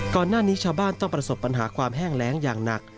ก่อนหน้านี้ชาวบ้านต้องประสบปัญหาความแห้งแรงอย่างหนัก